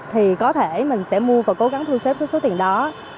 thì có thể mình sẽ mua và cố gắng thu xếp cái số tiền đó